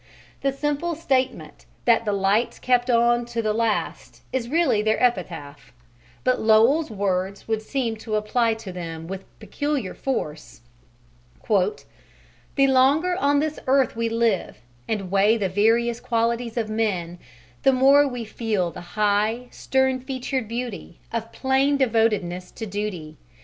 The simple statement that the lights kept on to the last is really their epitaph, but Lowell's words would seem to apply to them with peculiar force "The longer on this earth we live And weigh the various qualities of men The more we feel the high, stern featured beauty Of plain devotedness to duty.